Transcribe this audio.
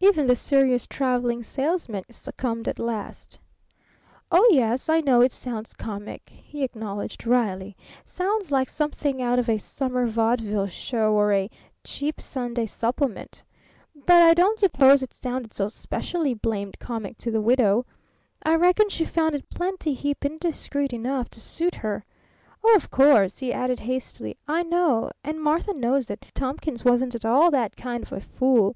Even the serious Traveling Salesman succumbed at last. "Oh, yes, I know it sounds comic," he acknowledged wryly. "Sounds like something out of a summer vaudeville show or a cheap Sunday supplement. But I don't suppose it sounded so specially blamed comic to the widow. I reckon she found it plenty heap indiscreet enough to suit her. Oh, of course," he added hastily, "I know, and Martha knows that Thomkins wasn't at all that kind of a fool.